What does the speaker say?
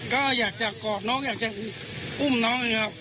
ก็อยากจะอุ่มเยอะแกะกอดอย่างนั้นนะครับ